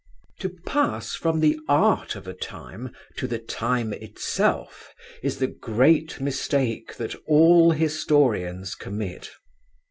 To pass from the art of a time to the time itself is the great mistake that all historians commit.